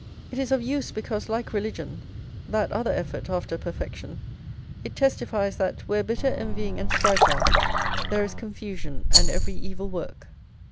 It is of use because, like religion, that other effort after perfection, it testifies that, where bitter envying and strife are, there is confusion and every evil work.